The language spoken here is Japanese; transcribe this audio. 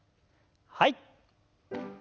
はい。